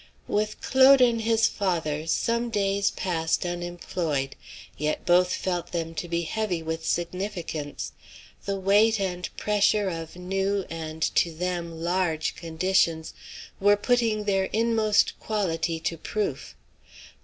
With Claude and his father some days passed unemployed. Yet both felt them to be heavy with significance. The weight and pressure of new and, to them, large conditions, were putting their inmost quality to proof.